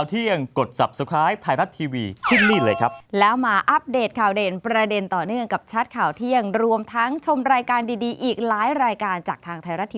ที่เคาน์เตอร์ชำระเงินค่ะ